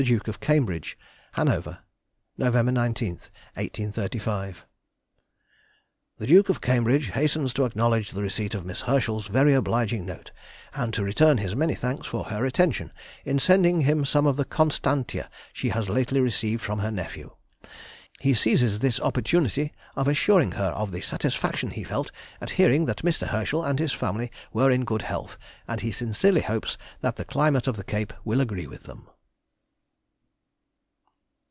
Duke of Cambridge.] FROM H.R.H. THE DUKE OF CAMBRIDGE. HANOVER, Nov. 19, 1835. The Duke of Cambridge hastens to acknowledge the receipt of Miss Herschel's very obliging note, and to return his many thanks for her attention in sending him some of the Constantia she has lately received from her nephew. He seizes this opportunity of assuring her of the satisfaction he felt at hearing that Mr. Herschel and his family were in good health, and he sincerely hopes that the climate of the Cape will agree with them.